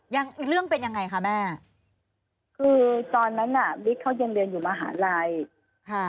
เรื่องเป็นยังไงคะแม่คือตอนนั้นน่ะบิ๊กเขายังเรียนอยู่มหาลัยค่ะ